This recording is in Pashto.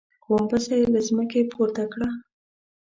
غومبسه يې له ځمکې پورته کړه.